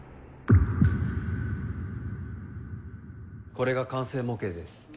これが完成模型です。